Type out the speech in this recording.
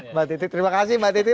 mbak titi terima kasih mbak titi